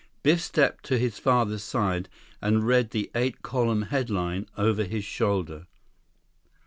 Biff stepped to his father's side and read the eight column headline over his shoulder.